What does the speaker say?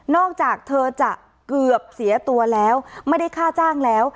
อกจากเธอจะเกือบเสียตัวแล้วไม่ได้ค่าจ้างแล้ว